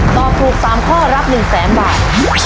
ตอบถูก๓ข้อรับ๑แสนบาท